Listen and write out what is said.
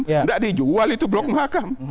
tidak dijual itu blok makam